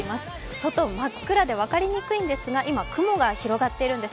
外、真っ暗で分かりにくいんですが今、雲が広がっているんです。